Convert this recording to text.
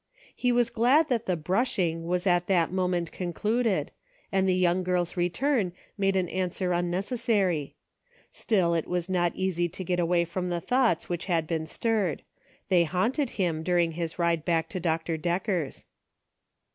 He was glad that the " brushing " was at that moment concluded, 310 CIRCLES WITHIN CIRCLES. and the young girl's return made an answer unnec essary. Still it was not easy to get away from the thoughts which had been stirred ; they haunted him during his ride back to Dr. Decker's.